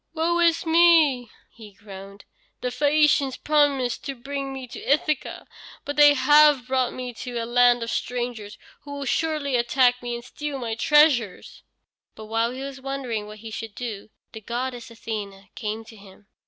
"Woe is me!" he groaned. "The Phæacians promised to bring me to Ithaca, but they have brought me to a land of strangers, who will surely attack me and steal my treasures." But while he was wondering what he should do, the goddess Athene came to him.